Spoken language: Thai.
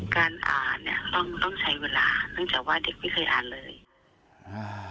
การอ่านเนี่ยต้องใช้เวลาจึงจะว่าเด็กไม่เคยอ่านเลย